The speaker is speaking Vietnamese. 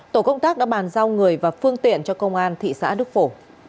tổ công tác đã bàn giao người và phương tiện cho công an thị xã đức phổ